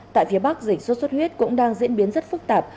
tại phía bắc dịch sốt xuất huyết cũng đang diễn biến rất phức tạp